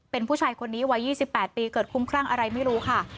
เป็นผู้ชายคนนี้วัย๒๘ปีเกิดคุ้มครั่งอะไรไม่รู้ค่ะ